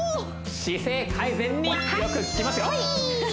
姿勢改善によく効きますよ